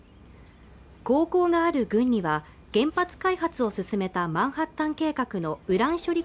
高校がある郡には原発開発を進めたマンハッタン計画のウラン処理